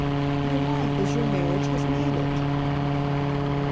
"Your life as your marriage has made it."